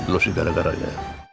lu sih gara gara dia